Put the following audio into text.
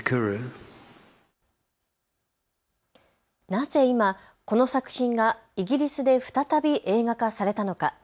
なぜ今この作品がイギリスで再び映画化されたのか。